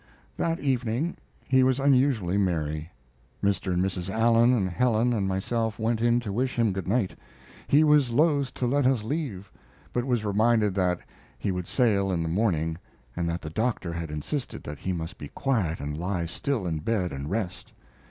That evening he was unusually merry. Mr. and Mrs. Allen and Helen and myself went in to wish him good night. He was loath to let us leave, but was reminded that he would sail in the morning, and that the doctor had insisted that he must be quiet and lie still in bed and rest.